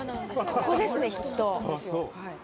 ここですね、きっと。